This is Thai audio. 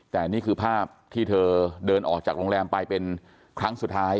แต่นี่คือภาพที่เธอเดินออกจากโรงแรมไปเป็นครั้งสุดท้าย